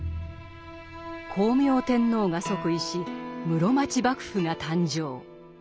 光明天皇が即位し室町幕府が誕生。